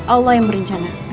allah yang berencana oke